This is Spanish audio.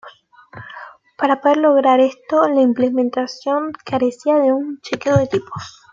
Para poder lograr esto, la implementación carecía de un chequeo de tipos.